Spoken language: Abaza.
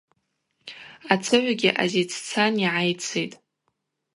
Ацыгӏвгьи азиццан йгӏайцитӏ:.